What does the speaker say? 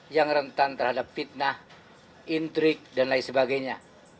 yang rentan terhadap fitnah intrik dan lain sebagainya